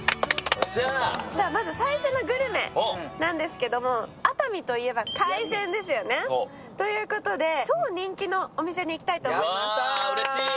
最初のグルメなんですけれども、熱海といえば海鮮ですよね。ということで、超人気のお店に行きたいと思います。